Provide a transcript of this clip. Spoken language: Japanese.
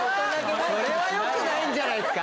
それは良くないんじゃないっすか？